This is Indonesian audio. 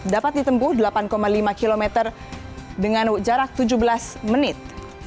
dapat ditempuh delapan lima km dengan jarak tujuh belas menit